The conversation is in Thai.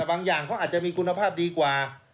บางอย่างเขาอาจจะมีคุณภาพดีกว่า